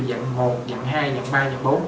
dạng một dạng hai dạng ba dạng bốn